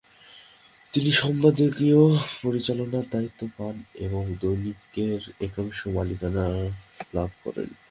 তিনি সম্পাদকীয় পরিচালনার দায়িত্ব পান এবং দৈনিকের একাংশ মালিকানা লাভ করেন।